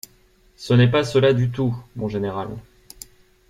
Ce n’est pas cela du tout, mon général.